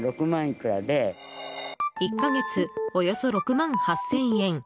１か月およそ６万８０００円。